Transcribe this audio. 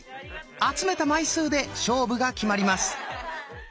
集めた枚数で勝負が決まります。